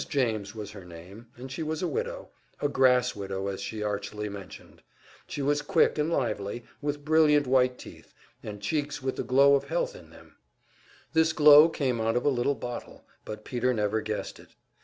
James was her name, and she was a widow, a grass widow as she archly mentioned. She was quick and lively, with brilliant white teeth, and cheeks with the glow of health in them; this glow came out of a little bottle, but Peter never guessed it.